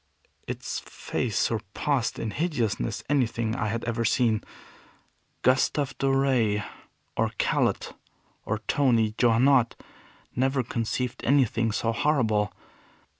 Its face surpassed in hideousness anything I had ever seen. Gustav Doré, or Callot, or Tony Johannot, never conceived anything so horrible.